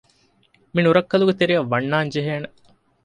މި ނުރައްކަލުގެ ތެރެއަށް ވަންނާން ޖެހޭނެ